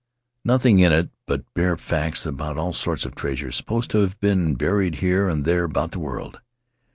Nothing in it but bare facts about all sorts of treasure supposed to have been buried here and there about the world.